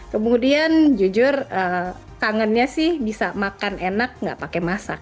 kemudian jujur kangennya sih bisa makan enak gak pakai masak